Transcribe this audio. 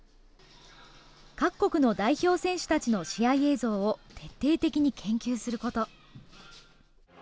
各国の代表選手たちの試合映像を徹底的に研究すること。